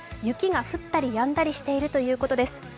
雪が降ったりやんだりしているということです。